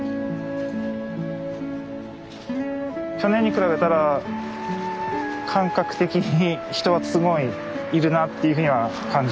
去年に比べたら感覚的に人はすごいいるなっていうふうには感じます。